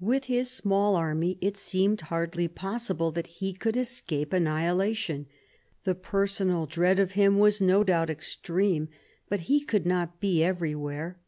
With his small army it seemed hardly possible that he should escape annihilation. The personal dread of him was no doubt extreme ; but he could not be everywhere.